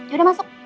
ya udah masuk